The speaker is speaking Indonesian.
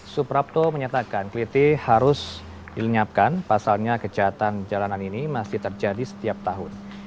suprapto menyatakan keliti harus dilenyapkan pasalnya kejahatan jalanan ini masih terjadi setiap tahun